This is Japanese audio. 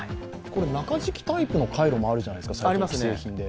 中敷きタイプのカイロもあるじゃないですか、最近、既製品で。